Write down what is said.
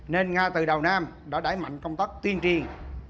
nên nga từ đầu nam đã đẩy mạnh công tác tuyên truyền